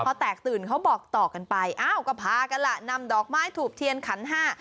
พอแตกตื่นเขาบอกต่อกันไปอ้าวก็พากันล่ะนำดอกไม้ถูกเทียนขันห้า